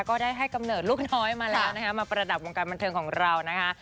ก็ได้ให้กำเนิดลูกน้อยมาแล้วนะคะมาประดับวงการบันเทิงของเรานะคะ